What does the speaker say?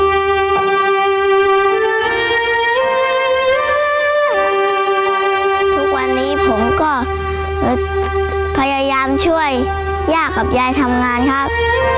ทุกวันนี้ผมก็พยายามช่วยย่ากับยายทำงานครับ